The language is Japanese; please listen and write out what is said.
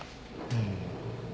うん。